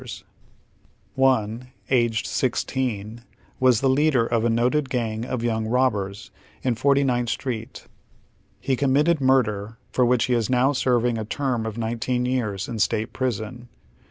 One, aged sixteen, "was the leader of a noted gang of young robbers in Forty nintli Street. He committed murder, for which he is now serving a terra of nineteen years in State's Prison."